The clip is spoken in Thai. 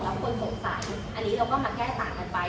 แล้วคนสงสัยอันนี้เราก็มาแก้ต่างกันไป